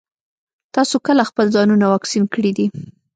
تاسو کله خپل ځانونه واکسين کړي دي؟